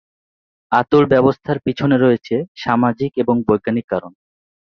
আঁতুড় ব্যবস্থার পিছনে রয়েছে সামাজিক এবং বৈজ্ঞানিক কারণ।